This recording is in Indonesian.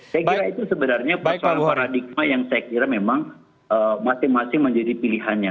saya kira itu sebenarnya persoalan paradigma yang saya kira memang masing masing menjadi pilihannya